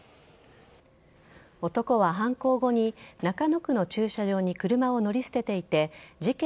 男は犯行後に中野区の駐車場に車を乗り捨てていて事件